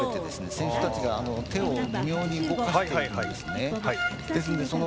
選手たちが手を微妙に動かしているんですね。